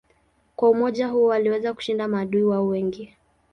Kwa umoja huo waliweza kushinda maadui wao wengi.